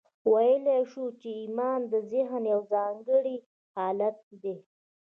ویلای شو چې ایمان د ذهن یو ځانګړی حالت دی